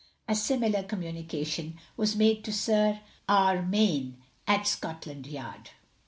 A similar communication was made to Sir R. Mayne, at Scotland yard.